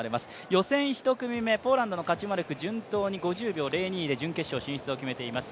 予選１組目、ポーランドのカチュマレク、順当に５０秒０２で準決勝進出を決めています。